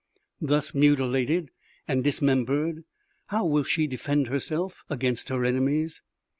Thus mutilated and dismembered, how will she defend herself against her enemies?"